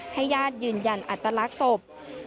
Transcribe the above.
ให้ญาติยืนยันอัตลักษณ์ศพ